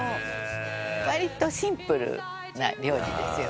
「割とシンプルな料理ですよね」